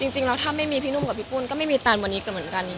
จริงแล้วถ้าไม่มีพี่หนุ่มกับพี่ปุ้นก็ไม่มีแตนวันนี้ก็เหมือนกัน